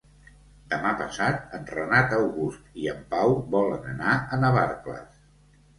Demà passat en Renat August i en Pau volen anar a Navarcles.